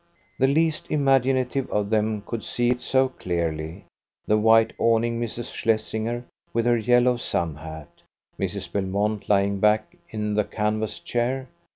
The least imaginative of them could see it so clearly: the white awning, Mrs. Shlesinger with her yellow sun hat, Mrs. Belmont lying back in the canvas chair.